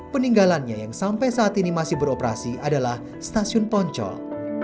peninggalannya yang sampai saat ini masih beroperasi adalah stasiun poncol